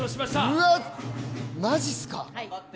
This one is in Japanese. うわ、マジっすか。